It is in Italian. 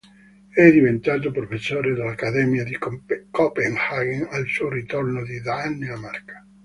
È diventato professore all'Accademia di Copenaghen al suo ritorno in Danimarca.